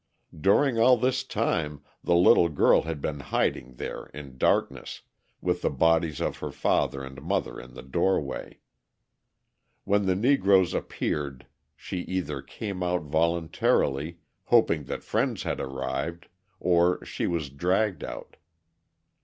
During all this time the little girl had been hiding there in darkness, with the bodies of her father and mother in the doorway. When the Negroes appeared, she either came out voluntarily, hoping that friends had arrived, or she was dragged out.